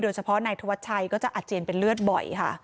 โดยเฉพาะในทวชัยก็จะอาจเจนเป็นเลือดบ่อยค่ะ